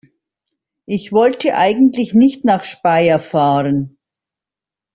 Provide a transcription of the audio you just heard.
Ich wollte eigentlich nicht nach Speyer fahren